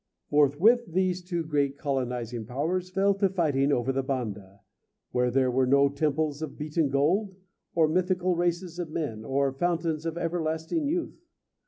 Forthwith these two great colonising powers fell to fighting over the Banda, where there were no temples of beaten gold, or mythical races of men, or fountains of everlasting youth.